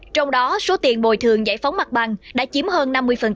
trong đó số tiền bồi thường giải phóng mặt bằng đã chiếm hơn năm mươi